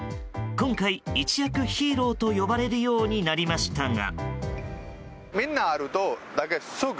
今回、一躍ヒーローと呼ばれるようになりましたが。